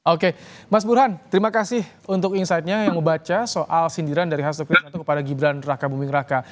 oke mas burhan terima kasih untuk insightnya yang membaca soal sindiran dari hasil pidato kepada gibran raka buming raka